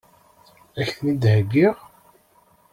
Ad k-ten-id-heggiɣ?